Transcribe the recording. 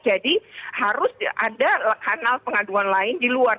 jadi harus ada kanal pengaduan lain di luar